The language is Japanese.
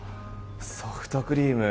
ソフトクリーム。